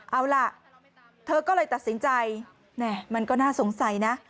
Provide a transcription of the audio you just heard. เอาล่ะเธอก็เลยตัดสินใจมันก็น่าสงสัยนะ